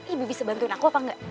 ibu bisa bantuin aku apa enggak